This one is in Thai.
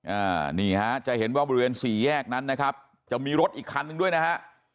อ่านี่ฮะจะเห็นว่าบริเวณสี่แยกนั้นนะครับจะมีรถอีกคันหนึ่งด้วยนะฮะ